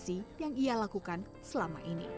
dan dengan inspirasi yang ia lakukan selama ini